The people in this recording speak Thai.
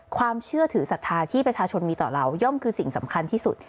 ความเชื่อถือศรัทธาที่ประชาชนมีต่อเราย่อมคือสิ่งสำคัญที่สุด